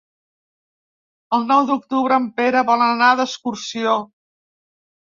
El nou d'octubre en Pere vol anar d'excursió.